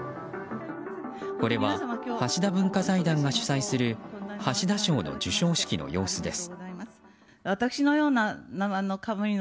これは、橋田文化財団が主催する橋田賞の授賞式の様子です。